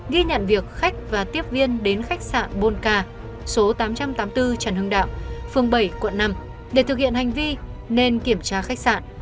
ghi nhận việc khách và tiếp viên đến khách sạn bôn ca số tám trăm tám mươi bốn trần hưng đạo phường bảy quận năm để thực hiện hành vi nên kiểm tra khách sạn